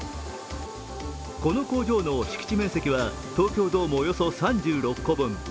この工場の敷地面積は東京ドームおよそ３６個分。